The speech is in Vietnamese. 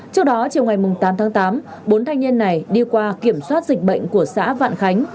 trước đó chiều ngày tám tháng tám bốn thanh niên này đi qua kiểm soát dịch bệnh của xã vạn khánh